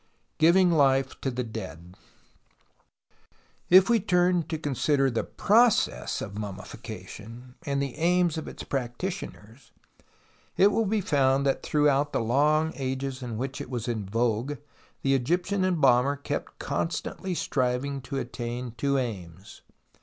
Giving Life to the Dead If we turn to consider tlie process of mummi fication, and the aims of its practitioners, it will be found that throughout the long ages in which it was in vogue tlie Egyptian embalmer kept constantly striving to attain two aims.